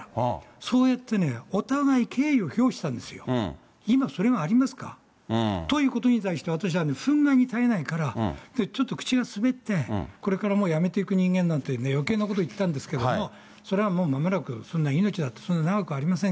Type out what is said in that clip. そうやってね、お互い敬意を表したんですよ、今、それがありますか？ということに対して、私はね、憤慨にたえないから、ちょっと口が滑って、これからもう辞めていく人間なんで、よけいなことを言ったんですけど、それはもうまもなく、そんな命だってそんな長くありません